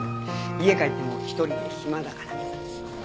家帰っても一人で暇だから。